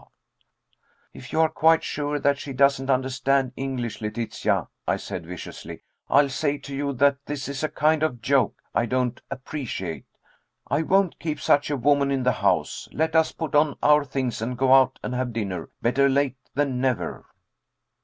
_'" "If you are quite sure that she doesn't understand English, Letitia," I said viciously, "I'll say to you that this is a kind of joke I don't appreciate. I won't keep such a woman in the house. Let us put on our things and go out and have dinner. Better late than never."